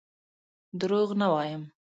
دروغ نه وایم.